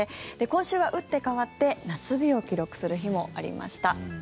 今週は打って変わって夏日を記録する日もありました。